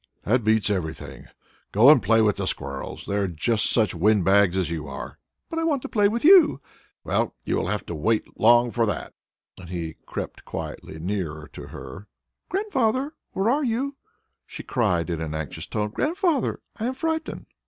"That beats everything. Go and play with the squirrels! They are just such wind bags as you are!" "But I want to play with you." "Well, you will have to wait long for that," and he crept quietly nearer to her. "Grandfather, where are you?" she cried in an anxious tone. "Grandfather, I am frightened."